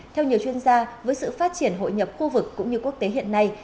theo nhiều chuyên gia với sự phát triển hội nhập khu vực cũng như quốc tế hiện nay